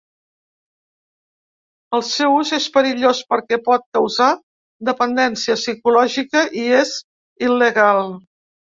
El seu ús és perillós perquè pot causar dependència psicològica i és il·legal.